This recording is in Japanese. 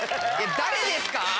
誰ですか⁉